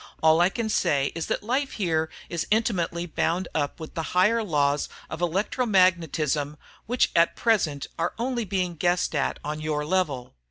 All I can say is that life here is intimately bound up with the higher laws of electro magnetism which at present are only being guessed at on your level.